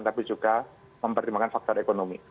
tapi juga mempertimbangkan faktor ekonomi